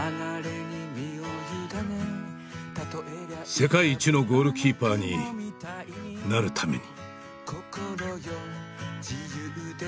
世界一のゴールキーパーになるために。